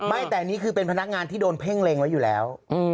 ไม่แต่นี่คือเป็นพนักงานที่โดนเพ่งเล็งไว้อยู่แล้ว